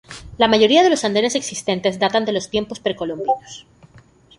La mayoría de los andenes existentes datan de los tiempos precolombinos.